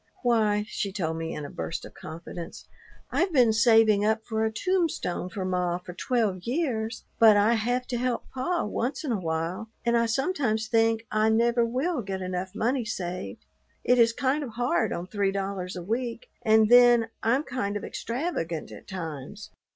Why," she told me in a burst of confidence, "I've been saving up for a tombstone for ma for twelve years, but I have to help pa once in a while, and I sometimes think I never will get enough money saved. It is kind of hard on three dollars a week, and then I'm kind of extravagant at times.